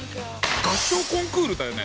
合唱コンクールだよね？